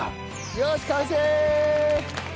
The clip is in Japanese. よし完成！